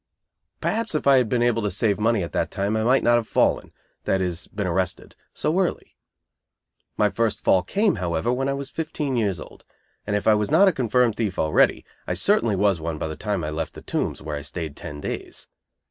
Perhaps if I had been able to save money at that time I might not have fallen (that is, been arrested) so early. My first fall came, however, when I was fifteen years old; and if I was not a confirmed thief already, I certainly was one by the time I left the Tombs, where I stayed ten days.